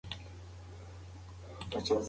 که نجونې ښاروالې شي نو سړکونه به خراب نه وي.